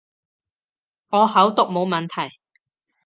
我口讀冇問題